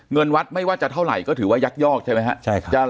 เงินวัดไม่ว่าจะเท่าไหร่ก็ถือว่ายักยอกใช่ไหมครับ